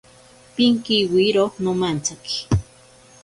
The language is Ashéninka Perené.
Pinkiwiro nomantsaki.